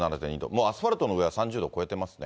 もうアスファルトの上は３０度を超えてますね。